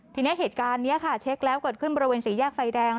ทีนี้เหตุการณ์นี้ค่ะเช็คแล้วเกิดขึ้นบริเวณสี่แยกไฟแดง